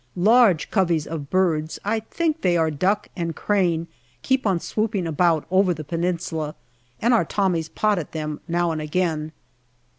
Large coveys of birds I think they are duck and crane keep on swooping about over the Peninsula, and our Tommies pot at them now and again.